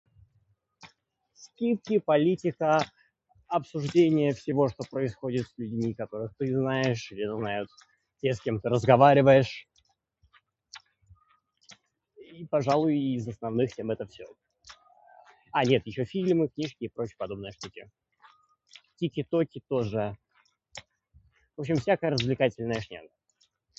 Скидки, политика, обсуждения всего что происходит с людьми, которых ты знаешь, или знают те, с кем ты разговариваешь. И, пожалуй, из основных тем это всё. А, нет. Ещё фильмы, книжки и прочие подобные штуки. Тикитоки тоже. В общем всякая развлекательная шняга.